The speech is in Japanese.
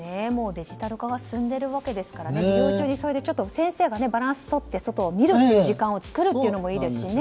デジタル化が進んでるわけですから授業中に先生がバランスをとって外を見る時間を作るのもいいですし。